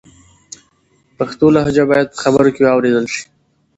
پښتو لهجه باید په خبرو کې و اورېدل سي.